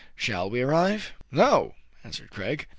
" Shall we arrive }" "No," answered Craig.